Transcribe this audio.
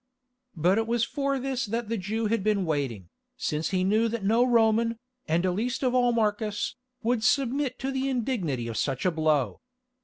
But it was for this that the Jew had been waiting, since he knew that no Roman, and least of all Marcus, would submit to the indignity of such a blow.